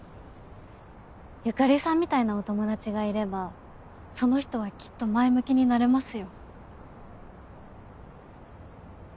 由香里さんみたいなお友達がいればその人はきっと前向きになれますよ。